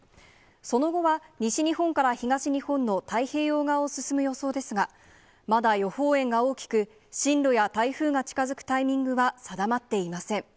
その後は西日本から東日本の太平洋側を進む予想ですが、まだ予報円が大きく、進路や台風が近づくタイミングは、定まっていません。